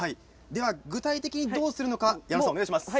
具体的にどうするのかお願いします。